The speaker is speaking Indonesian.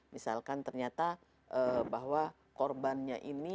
misalkan ternyata bahwa korbannya ini